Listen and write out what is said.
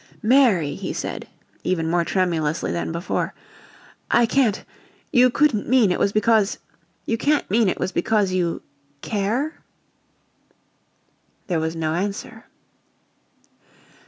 "Mary," he said, even more tremulously than before, "I can't you COULDN'T mean it was because you can't mean it was because you care?" There was no answer.